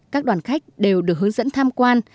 các đoàn khách đều được hướng dẫn tham quan